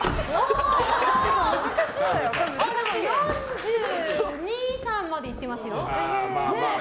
４２４３までいっていますよ。